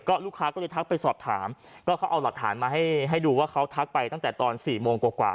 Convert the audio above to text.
ลูกค้าก็เลยทักไปสอบถามก็เขาเอาหลักฐานมาให้ให้ดูว่าเขาทักไปตั้งแต่ตอน๔โมงกว่า